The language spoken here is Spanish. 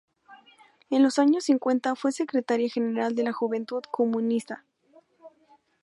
En los años cincuenta fue secretaria general de la Juventud Comunista.